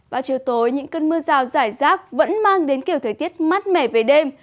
và chiều tối những cơn mưa rào rải rác vẫn mang đến kiểu thời tiết mát mẻ về đêm